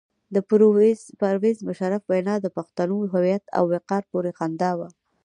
د پرویز مشرف وینا د پښتنو د هویت او وقار پورې خندا وه.